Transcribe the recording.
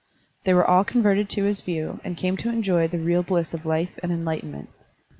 They were all converted to his view and came to enjoy the real bUss of life and enlightenment.